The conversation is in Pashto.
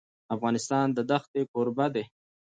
افغانستان د دښتې کوربه دی.